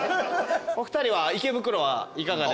お二人は池袋はいかがですか？